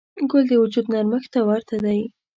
ګل د وجود نرمښت ته ورته دی.